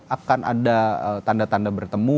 akan ada tanda tanda bertemu